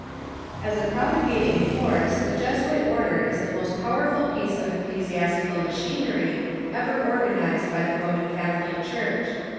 As a propagating force, the Jesuit order is the most pow erful piece of ecclesiastical machinery ever organized by the Roman Catholic Church.